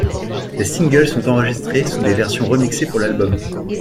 Les singles sont enregistrés sous des versions remixées pour l'album.